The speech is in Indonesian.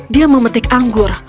dia memetik anggur